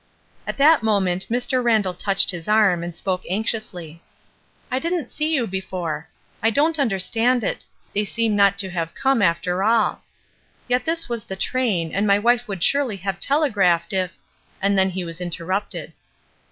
At that moment Mr. Randall touched his arm, and spoke anxiously. ''I didn't see you before; I don't understand it; they seem not to have come, after all. Yet this was the train, and my wife would surely have telegraphed if—" and then he was inter rupted.